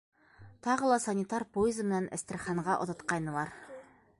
— Тағы ла санитар поезы менән Эстрханға оҙатҡайнылар.